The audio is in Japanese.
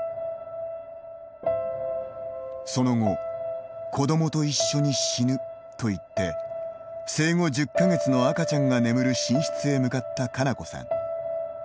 その後子どもと一緒に死ぬと言って生後１０か月の赤ちゃんが眠る寝室へ向かった佳菜子さん。